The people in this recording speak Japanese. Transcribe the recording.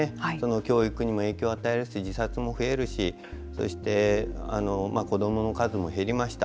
教育にも影響を与えるし自殺も増えるしそして子どもの数も減りました。